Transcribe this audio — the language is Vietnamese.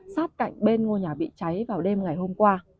sát cạnh bên ngôi nhà bị cháy vào đêm ngày hôm qua